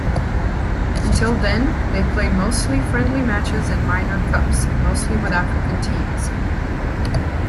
Until then, they played mostly friendly matches and minor cups, mostly with African teams.